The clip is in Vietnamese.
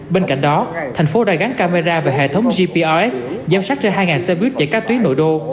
bên cạnh đó thành phố đã gắn camera và hệ thống gprs giám sát trên hai xe buýt chạy các tuyến nội đô